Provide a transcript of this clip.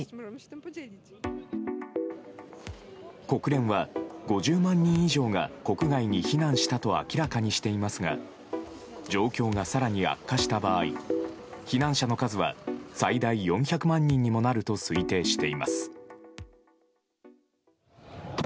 国連は、５０万人以上が国外に避難したと明らかにしていますが状況が更に悪化した場合避難者の数は最大４００万人にもなると推定しています。